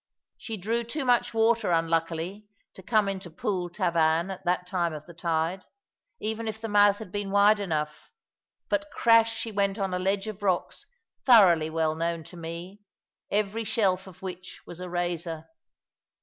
She drew too much water, unluckily, to come into Pool Tavan at that time of the tide, even if the mouth had been wide enough; but crash she went on a ledge of rocks thoroughly well known to me, every shelf of which was a razor.